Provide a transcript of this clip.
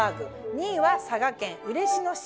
２位は佐賀県嬉野市